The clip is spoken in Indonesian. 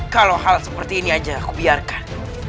kalau hal seperti ini aja aku biarkan